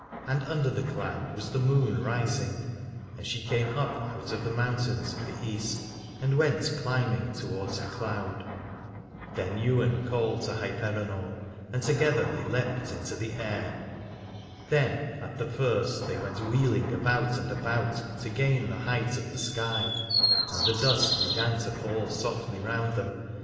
And under the cloud was the moon rising, and she came up out of the mountains of the East and went climb ing towards the cloud. Then Ywain called to Hyperenor and together they leapt into the air. Then at the first they went wheeling about and about, to gain the height of the sky, 228 Alad ore and the dusk began to fall softly round them.